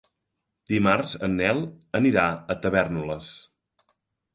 Dimarts en Nel anirà a Tavèrnoles.